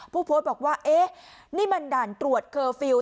ผู้โพสต์บอกว่าเอ๊ะนี่มันด่านตรวจเคอร์ฟิลล